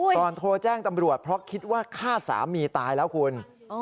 โทรแจ้งตำรวจเพราะคิดว่าฆ่าสามีตายแล้วคุณ